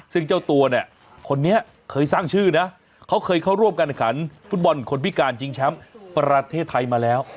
ซึ่งเจ้าตัวเนี่ยคนนี้เคยสร้างชื่อนะเขาเคยเข้าร่วมการขันฟุตบอลคนพิการชิงแชมป์ประเทศไทยมาแล้ว